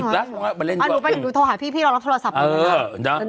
กูไปโทรหาพี่เรารับโทรศัพท์